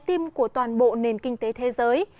tim của toàn bộ nền kinh tế thế giới